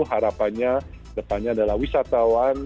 harapannya depannya adalah wisatawan